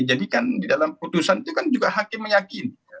jadi kan di dalam keputusan itu kan juga hakim meyakini